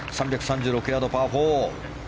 ３３６ヤード、パー４。